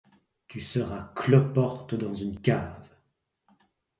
Tu seras cloporte dans une cave.